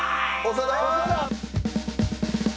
長田？